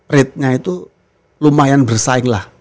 rate nya itu lumayan bersaing lah